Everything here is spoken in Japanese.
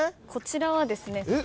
こちらはですね